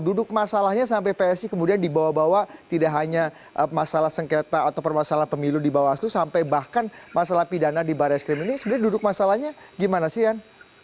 duduk masalahnya sampai psi kemudian dibawa bawa tidak hanya masalah sengketa atau permasalah pemilu di bawah aslu sampai bahkan masalah pidana di baris krim ini sebenarnya duduk masalahnya gimana sih rian